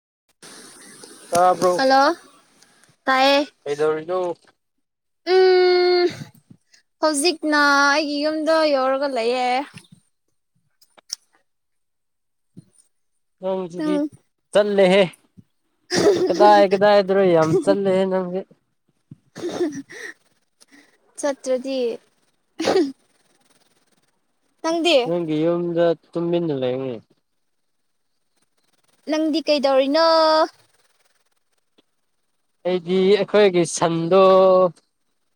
[unintelligible] ꯇꯥꯕ꯭ꯔꯣ ꯍꯜꯂꯣ ꯇꯥꯏꯌꯦ ꯀꯩꯗꯧꯔꯤꯅꯣ ꯎꯝ ꯍꯧꯖꯤꯛꯅ ꯑꯩꯒꯤ ꯌꯨꯝꯗ ꯌꯧꯔꯒ ꯂꯩꯌꯦ ꯅꯪꯖꯤꯗꯤ ꯅꯪ ꯆꯠꯂꯦꯍꯦ ꯀꯗꯥꯏ ꯀꯗꯥꯏꯗ꯭ꯔꯣ ꯌꯥꯝ ꯆꯠꯂꯦ ꯍꯦ ꯅꯪꯗꯤ [unintelligible] ꯆꯠꯇ꯭ꯔꯗꯤ ꯅꯪꯗꯤ ꯅꯪꯒꯤ ꯌꯝꯗ ꯇꯨꯝꯃꯤꯟꯅ ꯂꯩꯌꯣꯅꯦ ꯅꯪꯗꯤ ꯀꯩꯗꯧꯔꯤꯅꯣ ꯑꯩꯗꯤ ꯑꯩꯈꯣꯏꯒꯤ ꯁꯟꯗꯣ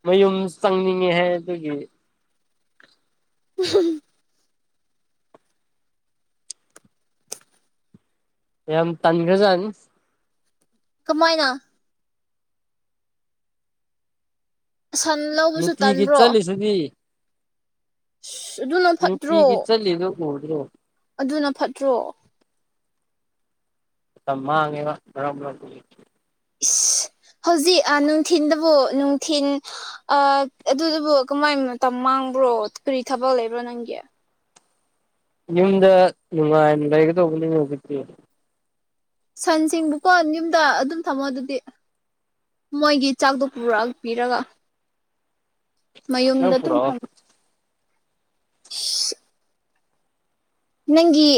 ꯃꯌꯨꯝ ꯆꯪꯅꯤꯡꯉꯦ ꯍꯥꯏ ꯑꯗꯨꯒꯤ ꯎꯝ ꯌꯥꯝ ꯇꯟꯒ꯭ꯔꯖꯥꯠꯅꯤ ꯀꯃꯥꯏꯅ ꯁꯟ ꯂꯧꯕꯁꯨ ꯅꯨꯡꯇꯤꯒꯤ ꯇꯟꯕ꯭ꯔꯣ ꯆꯠꯂꯤꯁꯤꯗꯤ ꯑꯁ ꯑꯗꯨꯅ ꯐꯠꯇ꯭ꯔꯣ ꯌꯨꯗ꯭ꯔꯣ ꯑꯗꯨꯅ ꯐꯠꯇ꯭ꯔꯣ ꯃꯇꯝ ꯃꯥꯡꯌꯦꯕ ꯃꯔꯛ ꯃꯔꯛꯇ ꯢꯁ ꯍꯧꯖꯤꯛ ꯑꯥ ꯅꯨꯡꯊꯤꯟꯗꯕꯨ ꯅꯨꯡꯊꯤꯟ ꯑꯥ ꯑꯗꯨꯕꯨ ꯀꯃꯥꯏ ꯃꯇꯝ ꯃꯥꯡ ꯕ꯭ꯔꯣ ꯀꯔꯤ ꯊꯕꯛ ꯂꯩꯕ꯭ꯔꯣ ꯅꯪꯒꯤ ꯌꯨꯝꯗ ꯅꯨꯡꯉꯥꯏꯅ ꯂꯩꯒꯗꯧꯕꯅꯤ ꯍꯧꯖꯤꯛꯇꯤ ꯁꯟꯁꯤꯡꯕꯨꯀꯣ ꯌꯨꯝꯗ ꯑꯗꯨꯝ ꯊꯝꯃꯣ ꯑꯗꯨꯗꯤ ꯃꯣꯏꯒꯤ ꯆꯥꯛꯗꯣ ꯄꯨꯔꯛꯄꯤꯔꯒ ꯃꯌꯨꯝꯗ ꯅꯪ ꯑꯗꯨꯝ ꯊꯝ ꯄꯨꯔꯛꯑꯣ [unintelligible] ꯅꯪꯒꯤ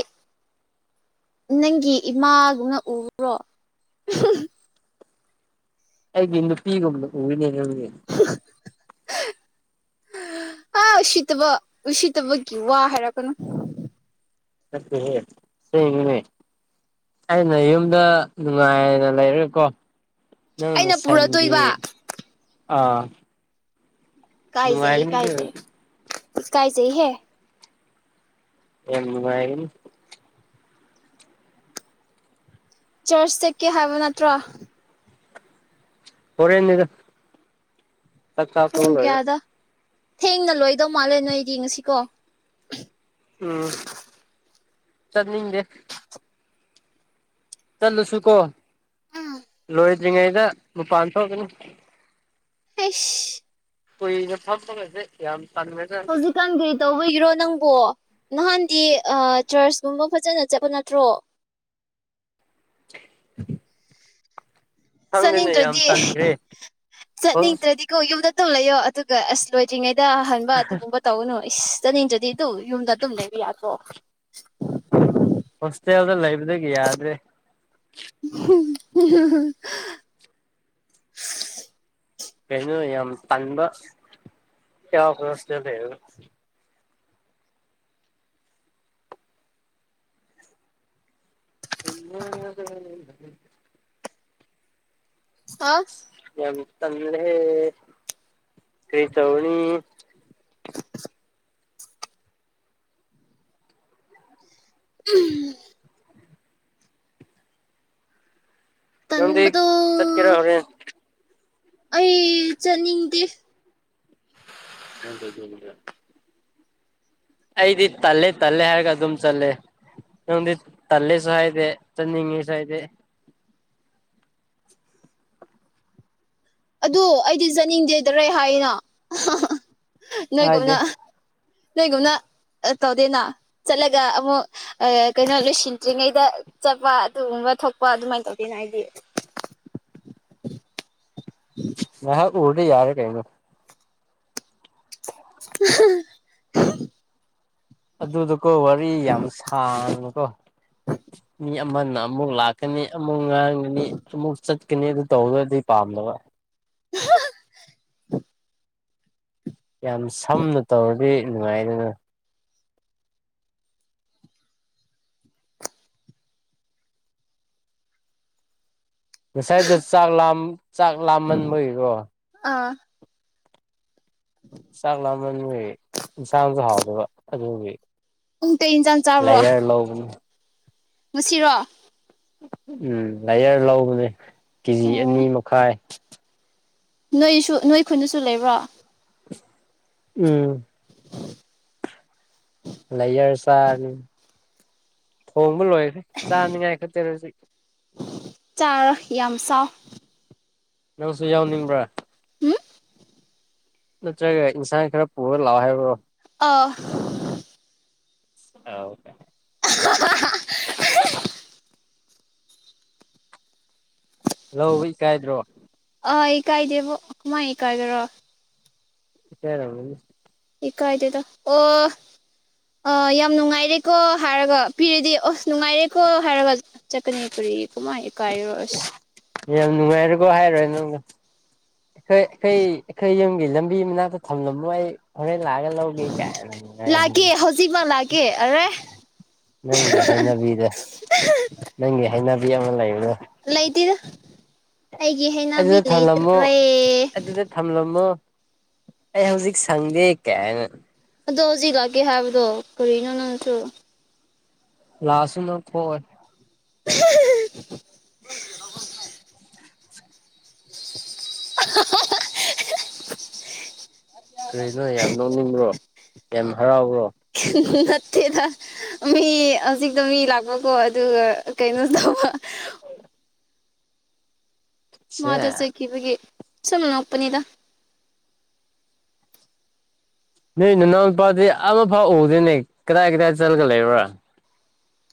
ꯅꯪꯒꯤ ꯏꯃꯥꯒꯨꯝꯅ ꯎꯕ꯭ꯔꯣ ꯑꯩꯒꯤ ꯅꯨꯄꯤꯒꯨꯝꯅ ꯎꯌꯦꯅꯦ ꯅꯪꯗꯤ [unintelligible] ꯑꯥ ꯎꯁꯤꯠꯇꯕ ꯎꯁꯤꯠꯇꯕꯒꯤ ꯋꯥ ꯍꯥꯏꯔꯛꯀꯅꯨ ꯅꯠꯇꯦ ꯍꯦ ꯑꯁꯦꯡꯒꯤꯅꯦ ꯑꯩꯅ ꯌꯨꯝꯗ ꯅꯨꯡꯉꯥꯏꯅ ꯂꯩꯔꯒꯀꯣ ꯅꯪꯅ ꯑꯩꯅ ꯁꯟꯒꯤ ꯄꯨꯔꯛꯇꯣꯏꯕ ꯑꯥ ꯀꯥꯏ ꯖꯩ ꯅꯨꯡꯉꯥꯏꯒꯅꯤ ꯀꯥꯏ ꯑꯗꯨ ꯖꯩ ꯑꯣꯏꯔꯗꯤ ꯏꯀꯥꯏ ꯖꯩ ꯍꯦ ꯌꯥꯝ ꯅꯨꯉꯥꯢꯒꯅꯤ ꯆ꯭ꯔꯆ ꯆꯠꯀꯦ ꯍꯥꯏꯕ ꯅꯠꯇ꯭ꯔꯣ ꯍꯣꯔꯦꯟꯅꯦꯗ ꯆꯥꯛ ꯆꯥ ꯊꯣꯛ ꯄꯨꯡ ꯂꯣꯢꯔꯒ ꯀꯌꯥꯗ ꯊꯦꯡꯅ ꯂꯣꯏꯗꯧ ꯃꯥꯜꯂꯦ ꯅꯣꯏꯒꯤ ꯉꯁꯤꯀꯣ ꯎꯝ ꯆꯠꯅꯤꯡꯗꯦ ꯆꯠꯂꯨꯁꯨ ꯀꯣ ꯎꯝ ꯂꯣꯏꯗ꯭ꯔꯤꯉꯩꯗ ꯃꯄꯥꯟ ꯊꯣꯛꯀꯅꯤ ꯑꯥꯁ ꯀꯨꯏꯅ ꯐꯝꯕꯒꯖꯦ ꯌꯥꯝ ꯇꯟ ꯒꯔꯖꯠꯅꯤ ꯍꯧꯖꯤꯛꯀꯥꯟ ꯀꯔꯤ ꯇꯧꯕꯒꯤꯔꯣ ꯅꯪꯕꯣ ꯅꯍꯥꯟꯗꯤ ꯆꯔꯆꯀꯨꯝꯕ ꯐꯖꯅ ꯆꯠꯄ ꯅꯠꯇ꯭ꯔꯣ [unintelligible] ꯈꯪꯗꯦꯅꯦ ꯌꯥꯝ ꯆꯠꯅꯤꯡꯗ꯭ꯔꯗꯤ ꯇꯟꯈ꯭ꯔꯦ ꯍꯣꯁ ꯆꯠꯅꯤꯡꯗ꯭ꯔꯗꯤꯀꯣ ꯌꯨꯝꯗ ꯑꯗꯨꯝ ꯂꯩꯌꯣ ꯑꯗꯨꯒ ꯑꯁ ꯂꯣꯏꯗ꯭ꯔꯤꯉꯩꯗ ꯑꯍꯟꯕ ꯑꯗꯨꯒꯨꯝꯕ ꯇꯧꯒꯅꯨ ꯏꯁ ꯆꯠꯅꯤꯡꯗꯔꯗꯤ ꯗꯨ ꯌꯨꯝꯗ ꯑꯗꯨꯝ ꯂꯩꯕ ꯌꯥꯗ꯭ꯔꯣ ꯍꯣꯁꯇꯦꯜꯗ ꯂꯩꯕꯗꯒꯤ ꯌꯥꯗ꯭ꯔꯦ [unintelligible] ꯀꯩꯅꯣ ꯌꯥꯝ ꯇꯟꯕ ꯌꯥꯎ ꯍꯣꯁꯇꯦꯜ ꯂꯩꯔꯒ [unintelligible] ꯑꯥ ꯌꯥꯝ ꯇꯜꯂꯦ ꯀꯔꯤ ꯇꯧꯅꯤ ꯎꯝ ꯅꯪꯗꯤ ꯇꯟꯕꯗꯣ ꯆꯠꯀꯦꯔ ꯍꯣꯔꯦꯟ ꯑꯩ ꯆꯠꯅꯤꯡꯗꯦ [unintelligible] ꯑꯩꯗꯤ ꯇꯜꯂꯦ ꯇꯜꯂꯦ ꯍꯥꯏꯒ ꯑꯗꯨꯝ ꯆꯠꯂꯦ ꯅꯪꯗꯤ ꯇꯜꯂꯦꯁꯨ ꯍꯥꯏꯗꯦ ꯆꯠꯅꯤꯡ ꯉꯦꯁꯨ ꯍꯥꯏꯗꯦ ꯑꯗꯨ ꯑꯩꯗꯤ ꯆꯅꯤꯡꯗꯦꯗꯔꯦ ꯍꯥꯏꯌꯦꯅ ꯍꯥꯏꯗꯦ ꯅꯣꯏꯒꯨꯝꯅ ꯅꯣꯏꯒꯨꯝꯅ ꯇꯧꯗꯦꯅ ꯆꯠꯂꯒ ꯑꯃꯨꯛ ꯀꯩꯅꯣ ꯂꯣꯏꯁꯤꯟꯗ꯭ꯔꯤꯉꯩꯗ ꯆꯠꯄ ꯑꯗꯨꯒꯨꯝꯕ ꯊꯣꯛꯄ ꯑꯗꯨꯃꯥꯏꯅ ꯇꯧꯗꯦꯅ ꯑꯩꯗꯤ [inaudible] ꯉꯩꯍꯥꯛ ꯎꯔꯗꯤ ꯌꯥꯔꯦ ꯀꯩꯅꯣ [inaudible] ꯍꯥ ꯍꯥ ꯑꯗꯨꯗꯨꯀꯣ ꯋꯥꯔꯤ ꯌꯥꯝ ꯁꯥꯡꯅꯨꯀꯣ ꯃꯤ ꯑꯃꯅ ꯑꯃꯨꯛ ꯂꯥꯛꯀꯅꯤ ꯑꯃꯨꯛ ꯉꯥꯡꯒꯅꯤ ꯑꯃꯨꯛ ꯆꯠꯀꯅꯤ ꯑꯗꯨ ꯇꯧꯕꯗꯤ ꯄꯥꯝꯗꯕ ꯍꯥ ꯍꯥ ꯌꯥꯝ ꯁꯝꯅ ꯇꯧꯔꯗꯤ ꯅꯨꯡꯉꯥꯏꯗꯅ ꯉꯁꯥꯏꯗꯣ ꯆꯥꯛ ꯂꯥꯝ ꯆꯥꯛ ꯂꯥꯝꯃꯟꯕꯒꯤꯀꯣ ꯑꯥ ꯆꯥꯛ ꯂꯥꯝꯃꯟꯕꯩ ꯌꯦꯟꯁꯥꯡꯁꯨ ꯍꯥꯎꯗꯕ ꯑꯗꯨꯒꯤ ꯄꯨꯡ ꯀꯩ ꯑꯦꯟꯁꯥꯡ ꯆꯥꯕ꯭ꯔꯣ ꯂꯥꯏꯌꯔ ꯂꯧꯕꯅꯤ ꯉꯁꯤꯔꯣ ꯎꯝ ꯂꯥꯏꯌꯔ ꯂꯧꯕꯅꯦ ꯀꯦꯖꯤ ꯑꯣ ꯑꯅꯤ ꯃꯈꯥꯏ ꯅꯣꯏꯁꯨ ꯅꯣꯏ ꯈꯨꯟꯗꯁꯨ ꯂꯩꯕ꯭ꯔꯣ ꯎꯝ ꯂꯩꯥꯏꯌꯔ ꯆꯥꯅꯤ ꯊꯣꯡ ꯂꯣꯏꯈ꯭ꯔꯦ ꯆꯥꯅꯤꯉꯥꯏ ꯈꯛꯇꯅꯦ ꯍꯖꯤꯛ ꯆꯥꯔꯣ ꯌꯥꯝ ꯆꯥꯎ ꯅꯪꯁꯨ ꯌꯥꯎꯅꯤꯡꯕ꯭ꯔꯥ ꯎꯝ ꯅꯠꯇ꯭ꯔꯒ ꯏꯟꯁꯥꯡ ꯈꯔ ꯄꯨꯔ ꯂꯥꯛꯑꯣ ꯍꯥꯏꯕ꯭ꯔꯣ ꯑꯥ ꯑꯧ ꯀꯥꯏ ꯑꯍ ꯍꯥ ꯍꯥ ꯑꯍ ꯍꯥꯍꯥ ꯂꯧꯕ ꯏꯀꯥꯏꯗ꯭ꯔꯣ ꯑꯥ ꯑꯩ ꯀꯥꯏꯗꯦꯕꯣ ꯀꯃꯥꯏ ꯀꯥꯏꯗ꯭ꯔꯣ [unintelligible] ꯏ ꯀꯥꯏꯗꯦꯗ ꯑꯣ ꯑꯥ ꯌꯥꯝ ꯅꯨꯡꯉꯥꯏꯔꯦꯀꯣ ꯍꯥꯏꯔꯒ ꯄꯤꯔꯗꯤ ꯑꯣꯁ ꯅꯨꯡꯉꯥꯏꯔꯦꯀꯣ ꯍꯥꯏꯔꯒ ꯆꯠꯀꯅꯤ ꯀꯃꯥꯏ ꯏꯀꯥꯏꯔꯣ ꯑꯁ ꯌꯥꯝ ꯅꯨꯡꯉꯥꯏꯔꯀꯣ ꯍꯥꯏꯔꯣꯏ ꯅꯪꯗ ꯑꯩꯈꯣꯏ ꯑꯩꯈꯣꯏ ꯑꯩꯈꯣꯏ ꯌꯨꯝꯒꯤ ꯂꯝꯕꯤ ꯃꯅꯥꯛꯇ ꯊꯝꯂꯝꯃꯣ ꯑꯩ ꯍꯣꯔꯦꯟ ꯂꯑꯒ ꯂꯧꯒꯦ ꯀꯥꯏꯅ ꯂꯥꯛꯀꯦ ꯍꯧꯖꯤꯛꯃꯛ ꯂꯥꯛꯀꯦ ꯑꯔꯦ ꯅꯪꯒꯤ ꯍꯩꯅꯕꯤꯗ ꯅꯪꯒꯤ ꯍꯩꯅꯕꯤ ꯑꯃ ꯂꯩꯕꯗ ꯂꯩꯇꯦꯗ ꯑꯩꯒꯤ ꯍꯩꯅꯕꯤ ꯑꯗꯨꯗ ꯊꯝꯂꯝꯃꯣ ꯂꯩꯇ꯭ꯔꯦ ꯑꯗꯨꯗ ꯊꯝꯂꯝꯃꯣ ꯑꯩ ꯍꯧꯖꯤꯛ ꯁꯪꯗꯦ ꯀꯥꯏꯅ ꯑꯗꯣ ꯍꯧꯖꯤꯛ ꯂꯥꯛꯀꯦ ꯍꯥꯏꯕꯗꯣ ꯀꯔꯤꯅꯣ ꯅꯪꯁꯨ ꯂꯥꯥꯛꯑꯁꯨ ꯅꯪ ꯊꯣꯛꯑꯣꯢ ꯑꯍꯥ ꯍ ꯥꯍꯥ ꯍꯥ ꯑꯍꯥ ꯍꯥꯍꯥ ꯀꯔꯤꯅꯣ ꯌꯥꯝ ꯅꯣꯛꯅꯤꯡꯕ꯭ꯔꯣ ꯌꯥꯝ ꯍꯔꯥꯎꯕ꯭ꯔꯣ ꯇꯦꯗ ꯃꯤ ꯍꯧꯖꯤꯛꯇꯣ ꯃꯤ ꯂꯥꯛꯄꯀꯣ ꯑꯗꯨꯒ ꯀꯩꯅꯣ ꯇꯧꯕ ꯁꯦ ꯃꯥꯗꯣ ꯆꯠꯈꯤꯕꯒꯤ ꯁꯨꯝ ꯅꯣꯛꯄꯅꯤꯗ ꯅꯣꯏ ꯅꯅꯥꯎ ꯅꯨꯄꯥꯗꯤ ꯑꯃꯐꯥꯎ ꯎꯗꯦꯅꯦ ꯀꯗꯥꯏ ꯀꯗꯥꯏ ꯆꯠꯂꯒ ꯂꯩꯕ꯭ꯔꯥ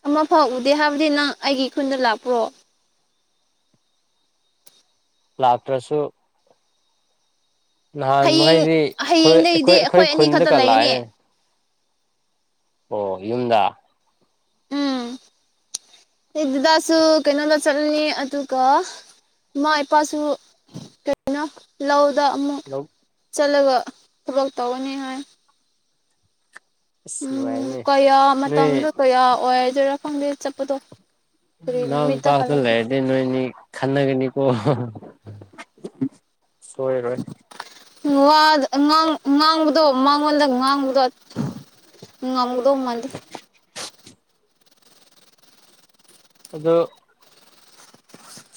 ꯑꯃꯐꯥꯎ ꯎꯗꯦ ꯍꯥꯏꯕꯗꯤ ꯅꯪ ꯑꯩꯒꯤ ꯈꯨꯟꯗ ꯂꯥꯛꯄ꯭ꯔꯣ ꯂꯥꯛꯇ꯭ꯔꯁꯨ ꯍꯌꯦꯡ ꯅꯍꯥꯟꯃꯈꯩꯗꯤ ꯑꯩꯈꯣꯏ ꯑꯩꯈꯣꯏ ꯍꯌꯦꯡꯗꯒꯤꯗꯤ ꯑꯩꯈꯣꯏ ꯑꯅꯤ ꯈꯛꯇ ꯈꯨꯟꯗꯀ ꯂꯩꯒꯅꯤ ꯂꯥꯛꯑꯦ ꯑꯣ ꯌꯨꯝꯗ ꯈꯣꯏ ꯗꯤꯗꯥꯁꯨ ꯀꯩꯅꯣꯗ ꯆꯠꯂꯅꯤ ꯑꯗꯨꯒ ꯏꯃꯥꯥ ꯏꯄꯥꯁꯨ ꯀꯩꯅꯣ ꯂꯧ ꯗ ꯑꯃꯨꯛ ꯆꯠꯂꯒ ꯊꯕꯛ ꯇꯧꯔꯅꯤ ꯍꯥꯏ ꯑꯁ ꯎꯝ ꯅꯨꯡꯉꯥꯏꯅꯦ ꯀꯌꯥ ꯅꯣꯏ ꯃꯇꯝꯗꯣ ꯀꯌꯥ ꯑꯣꯏꯗꯣꯏꯔꯥ ꯈꯪꯗꯦ ꯆꯠꯄꯗꯣ ꯀꯔꯤ ꯅꯪ ꯅꯨꯃꯤꯠꯇ ꯄꯥꯗꯇ ꯍꯜꯂꯛꯀꯦ ꯂꯩꯗꯤ ꯅꯣꯏꯅꯤ ꯈꯟꯅꯒꯅꯤ ꯀꯣ ꯁꯣꯏ ꯔꯣꯏ ꯋꯥ ꯗ ꯉꯥꯡ ꯉꯥꯡꯕꯗꯣ ꯃꯥꯉꯣꯜꯗ ꯉꯥꯡꯕꯗꯣ ꯉꯝꯒꯗꯧ ꯃꯥꯟꯗꯦ ꯑꯗꯣ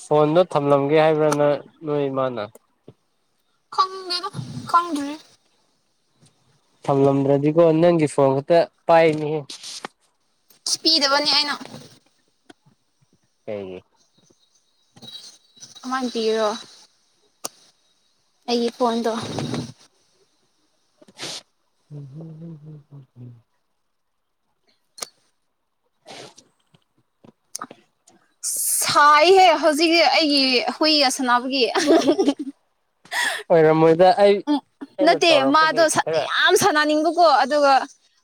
ꯐꯣꯟꯗꯣ ꯊꯝꯂꯝꯒꯦ ꯍꯥꯏꯕ꯭ꯔ ꯅꯪ ꯅꯣꯏ ꯏꯃꯥꯅ ꯈꯪꯗꯦꯗ ꯈꯪꯗ꯭ꯔꯤ ꯊꯝꯂꯝꯗ꯭ꯔꯗꯤꯀꯣ ꯅꯪꯒꯤ ꯐꯣꯟ ꯈꯛꯇ ꯄꯥꯏꯅꯤꯍꯦ ꯏꯁ ꯄꯤꯗꯕꯅꯤ ꯑꯩꯅ ꯀꯩꯒꯤ ꯀꯃꯥꯟꯄꯤꯔꯣ ꯑꯩꯒꯤ ꯐꯣꯟꯗꯣ ꯍꯨꯝ ꯍꯨꯝ ꯍꯨꯝ ꯍꯨꯝ ꯍꯨꯝ ꯍꯨꯝ ꯁꯥꯏꯍꯦ ꯍꯧꯖꯤꯛꯀꯤ ꯑꯩꯒꯤ ꯍꯨꯏꯒ ꯁꯥꯟꯅꯕꯒꯤ ꯑ ꯍꯥ ꯍꯪ ꯍ ꯍꯪ ꯑꯣꯏꯔꯝꯃꯣꯏꯗ ꯑꯩ ꯑꯩꯅ ꯅꯠꯇꯦ ꯃꯥꯗꯣ ꯇꯧꯔꯛꯄꯒꯤ ꯁꯅ ꯈꯔ ꯌꯥꯝ ꯁꯥꯟꯅꯅꯤꯡꯕꯀꯣ ꯑꯗꯨꯒ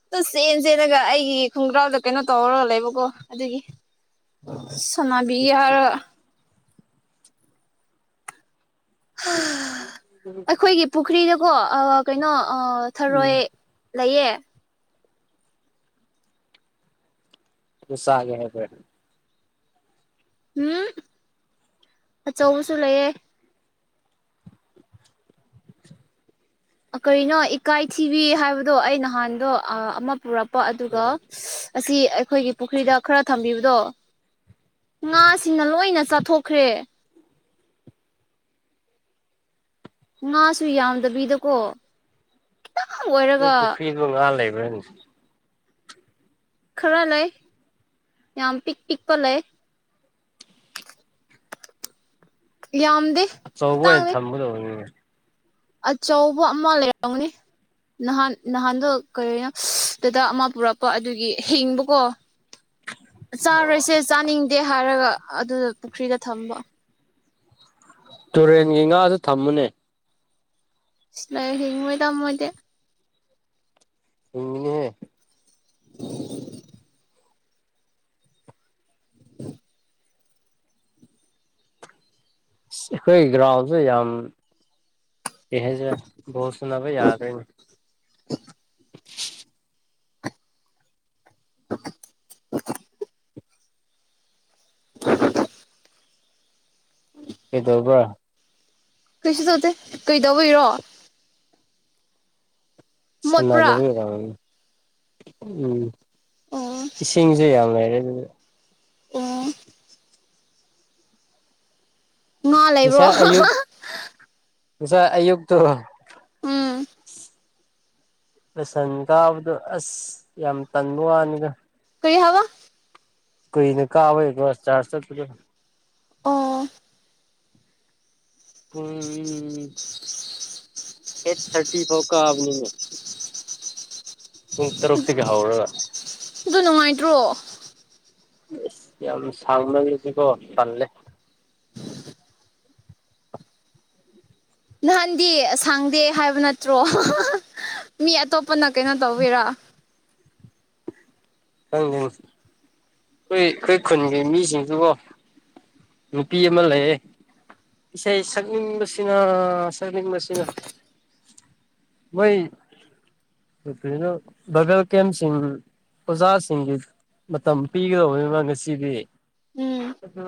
ꯑꯗꯨ ꯆꯦꯟ ꯆꯦꯟꯂꯒ ꯑꯩꯒꯤ ꯈꯣꯡꯒ꯭ꯔꯥꯎꯗ ꯀꯩꯅꯣ ꯇꯧꯔꯒ ꯂꯩꯕꯀꯣ ꯑꯗꯨꯒꯤ [inaudible] ꯁꯅꯥꯕꯤ ꯍꯥꯏꯔꯒ ꯇꯨꯡ ꯇꯨꯡ ꯑꯩꯈꯣꯏꯒꯤ ꯄꯨꯈ꯭ꯔꯤꯗꯀꯣ ꯑꯥ ꯀꯩꯅꯣ ꯑꯥ ꯎꯝ ꯊꯔꯣꯏ ꯂꯩꯌꯦ ꯑꯗꯣ ꯆꯥꯒꯦ ꯍꯥꯏꯕ ꯍꯨꯝ ꯑꯆꯧꯕꯁꯨ ꯂꯩꯌꯦ [inaudible] ꯀꯔꯤꯅꯣ ꯏꯀꯥꯏ ꯊꯤꯕꯤ ꯍꯥꯏꯕꯗꯣ ꯑꯩ ꯅꯍꯥꯟꯗꯣ ꯑꯥ ꯑꯃ ꯄꯨꯔꯛꯄ ꯑꯗꯨꯒ ꯎꯝ ꯑꯁꯤ ꯑꯩꯈꯣꯏꯒꯤ ꯄꯨꯈ꯭ꯔꯤꯗ ꯈꯔ ꯊꯝꯕꯤꯕꯗꯣ ꯉꯥꯁꯤꯅ ꯂꯣꯏꯅ ꯆꯥꯊꯣꯛꯈ꯭ꯔꯦ ꯉꯥꯁꯨ ꯌꯥꯝꯗꯕꯤꯗꯀꯣ ꯅꯣꯏ ꯑꯣꯏꯔꯒ ꯄꯨꯈ꯭ꯔꯤꯕꯨ ꯉꯥ ꯂꯩꯕ꯭ꯔꯅꯦ ꯈꯔ ꯂꯩ ꯌꯥꯝ ꯄꯤꯛ ꯄꯤꯛꯄ ꯂꯩ ꯌꯥꯝꯗꯦ ꯑꯆꯧꯕ ꯑꯣꯏꯅ ꯈꯤꯇꯪꯅꯤ ꯊꯝꯒꯗꯧꯅꯤꯅꯦ ꯑꯆꯧꯕ ꯑꯃ ꯂꯩꯔꯝꯒꯅꯤ ꯅꯍꯥꯟ ꯅꯍꯥꯟꯗꯣ ꯀꯔꯤꯅꯣ ꯗꯗꯥ ꯑꯃ ꯄꯨꯔꯛꯄ ꯑꯗꯨꯒꯤ ꯍꯤꯡꯕꯀꯣ ꯑꯣ ꯆꯥꯔꯣꯏꯁꯦ ꯆꯥꯅꯤꯡꯗꯦ ꯍꯥꯏꯔꯒ ꯑꯗꯨꯗ ꯄꯨꯈ꯭ꯔꯤꯗ ꯊꯝꯕ ꯇꯨꯔꯦꯟꯒꯤ ꯉꯥꯗꯨ ꯊꯝꯃꯨꯅꯦ ꯏꯁ ꯂꯣꯏ ꯍꯤꯡꯉꯣꯏꯗ ꯃꯣꯏꯗꯤ ꯍꯤꯡꯒꯤꯅꯤꯍꯦ ꯑꯩꯈꯣꯏꯒꯤ ꯒ꯭ꯔꯥꯎꯟꯁꯦ ꯌꯥꯝ ꯀꯩ ꯍꯥꯏꯁꯤꯔ ꯕꯣꯜ ꯁꯅꯥꯕ ꯌꯥꯗ꯭ꯔꯦꯅꯦ [inaudible] ꯀꯩꯗꯧꯕ꯭ꯔꯥ ꯀꯩꯁꯨ ꯇꯧꯗꯦ ꯀꯩꯗꯧꯕꯩꯔꯣ ꯁ ꯃꯣꯠꯄ꯭ꯔꯥ ꯑꯗꯨ ꯎꯝ ꯑꯣ [unintelligible] ꯏꯁꯤꯡꯁꯦ ꯌꯥꯝ ꯂꯩꯔꯦ ꯑꯗꯨꯗꯤ ꯑꯣ ꯉꯥ ꯂꯩꯕ꯭ꯔꯣ ꯉꯁꯥꯏ ꯍꯥ ꯍꯥ ꯑꯌꯨꯛ ꯉꯁꯥꯏ ꯑꯌꯨꯛꯇꯣ ꯎꯝ ꯂꯁꯟ ꯀꯥꯕꯗꯣ ꯑꯁ ꯌꯥꯝ ꯇꯟꯕ ꯋꯥꯅꯤꯗ ꯀꯔꯤ ꯍꯥꯏꯕ ꯀꯨꯏꯅ ꯀꯥꯕꯩꯀꯣ ꯆꯥꯔꯖ ꯆꯠꯄꯗꯣ ꯑꯣ ꯄꯨꯡ ꯑꯩꯠ ꯊꯥꯔꯇꯤ ꯐꯥꯎ ꯀꯥꯕꯅꯤꯅꯦ ꯄꯨꯡ ꯇꯔꯨꯛꯇꯒꯤ ꯍꯧꯔꯒ ꯑꯗꯨ ꯅꯨꯡꯉꯥꯏꯇ꯭ꯔꯣ ꯑꯁ ꯌꯥꯝ ꯁꯥꯡꯃꯜꯂꯁꯨꯀꯣ ꯇꯜꯂꯦ ꯅꯍꯥꯟꯗꯤ ꯁꯪꯗꯦ ꯍꯥꯏꯕ ꯅꯠꯇ꯭ꯔꯣ ꯃꯤ ꯑꯇꯣꯞꯄꯅ ꯀꯩꯅꯣ ꯇꯧꯕꯤꯔꯥ ꯈꯪꯗꯦ ꯑꯩꯈꯣꯏ ꯑꯩꯈꯣꯏ ꯈꯨꯟꯒꯤ ꯃꯤꯁꯤꯡꯁꯨꯀꯣ ꯅꯨꯄꯤ ꯑꯃ ꯂꯩꯌꯦ ꯏꯁꯩ ꯁꯛꯅꯤꯡꯕꯁꯤꯅ ꯁꯛꯅꯤꯡꯕꯁꯤꯅ ꯃꯣꯏ ꯀꯩꯅꯣ ꯕꯥꯏꯕꯦꯜ ꯀꯦꯝꯁꯤꯡ ꯑꯣꯖꯥꯁꯤꯡꯒꯤ ꯃꯇꯝ ꯄꯤꯒꯗꯧꯕꯅꯤꯕ ꯉꯁꯤꯗꯤ ꯎꯝ ꯑꯗꯨ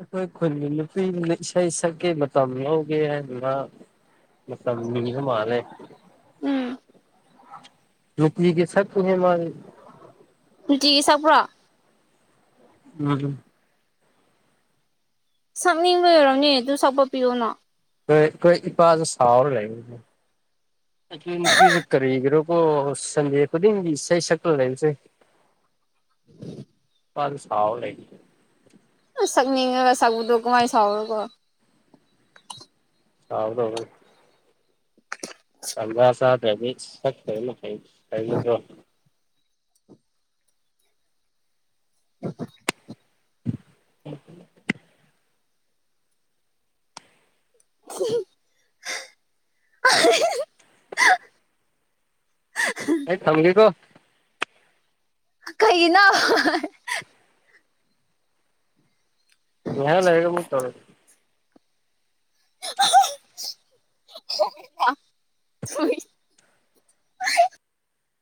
ꯑꯩꯈꯣꯏ ꯈꯨꯟꯒꯤ ꯅꯨꯄꯤꯗꯨꯅ ꯏꯁꯩ ꯁꯛꯀꯦ ꯃꯇꯝ ꯂꯧꯒꯦ ꯍꯥꯏꯗꯨꯅ ꯃꯇꯝ ꯅꯤꯕ ꯃꯥꯜꯂꯦ ꯎꯝ ꯅꯨꯡꯇꯤꯒꯤ ꯁꯛꯄꯅꯦ ꯃꯥꯗꯤ ꯅꯨꯡꯇꯤꯒꯤ ꯁꯛꯄ꯭ꯔꯣ ꯎꯝ ꯁꯛꯅꯤꯡꯕꯩ ꯑꯣꯏꯔꯝꯅꯤ ꯑꯗꯨ ꯁꯛꯄ ꯄꯤꯌꯣꯅ ꯍꯣꯏ ꯑꯩꯈꯣꯏ ꯏꯄꯥꯁꯨ ꯁꯥꯎꯔ ꯂꯩꯕꯅꯦ ꯑꯗꯨ ꯅꯨꯄꯤꯗꯨ ꯀꯔꯤꯒꯤꯔꯀꯣ ꯁꯟꯗꯦ ꯈꯨꯗꯤꯡꯒꯤ ꯏꯁꯩ ꯁꯛꯂ ꯂꯩꯕꯁꯦ ꯏꯄꯥꯗꯨ ꯁꯥꯎꯔ ꯂꯩꯕꯅꯦ ꯑꯁ ꯁꯛꯅꯤꯡꯉꯒ ꯁꯛꯄꯗꯣ ꯀꯃꯥꯏ ꯁꯥꯎꯔꯒ ꯀꯥꯎꯗꯧꯕꯅꯤ ꯇꯟꯖꯥ ꯆꯥꯗ꯭ꯔꯗꯤ ꯁꯠ ꯀꯩꯅꯣ ꯀꯩꯅꯣ ꯀꯩꯅꯣꯀꯣ ꯑꯩ ꯊꯝꯒꯦꯀꯣ ꯀꯩꯒꯤꯅꯣ ꯉꯥꯏꯍꯥꯛ ꯂꯩꯔꯒ ꯑꯃꯨꯛ ꯇꯧꯔꯛꯀꯦ